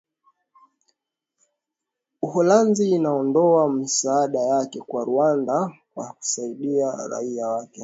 a uholanzi inaondoa misaada yake kwa rwanda kwa kusaidia raia wake